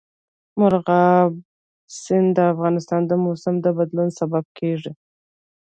مورغاب سیند د افغانستان د موسم د بدلون سبب کېږي.